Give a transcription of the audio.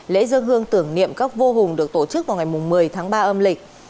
lễ dương hương tưởng niệm các vô hùng được tổ chức vào ngày một mươi tháng ba âm lịch